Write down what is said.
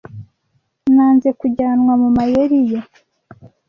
Nanze kujyanwa mu mayeri ye.